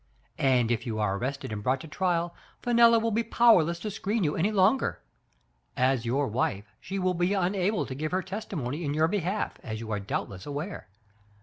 And if you are arrested and brought to trial, Fenella will be powerless to screen you any longer. As your wife she will be unable to give her testi mony in your behalf, as you are doubtless aware.